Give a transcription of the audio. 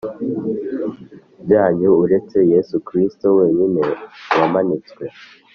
byanyu uretse Yesu Kristoh wenyine wamanitswe